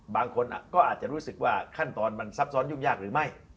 บางคนก็อาจจะรู้สึกว่าขั้นตอนมันซับซ้อนยุ่งยากหรือไม่